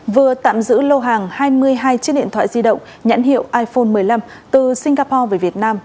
vừa tạm giữ lô hàng hai mươi hai chiếc điện thoại di động nhãn hiệu iphone một mươi năm từ singapore về việt nam